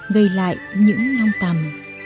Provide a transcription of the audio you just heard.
gây lại những lông tầm